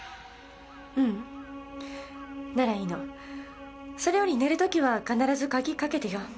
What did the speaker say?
ううんならいいの。それより寝る時は必ず鍵かけてよ。